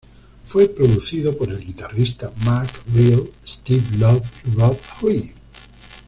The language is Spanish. Fue producido por el guitarrista Mark Reale, Steve Loeb y Rod Hui.